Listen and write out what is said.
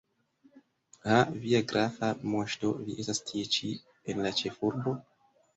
Ha, via grafa moŝto, vi estas tie ĉi, en la ĉefurbo?